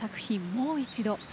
「もう一度」。